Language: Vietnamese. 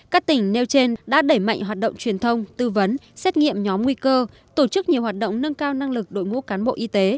các tỉnh nêu trên đã đẩy mạnh hoạt động truyền thông tư vấn xét nghiệm nhóm nguy cơ tổ chức nhiều hoạt động nâng cao năng lực đội ngũ cán bộ y tế